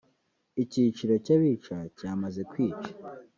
Icyiciro cy’abica cyamaze kwica